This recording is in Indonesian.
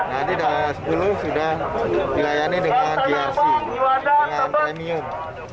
jadi tanggal sepuluh sudah dilayani dengan grc dengan premium